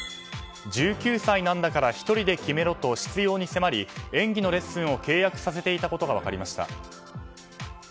１９歳なんだから１人で決めろと執拗に迫り演技のレッスンを契約させていたことが分かりました。